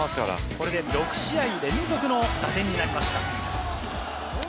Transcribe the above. これで６試合連続の打点となりました。